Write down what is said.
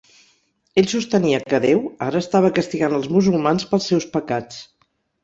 Ell sostenia que Déu ara estava castigant els musulmans pels seus pecats.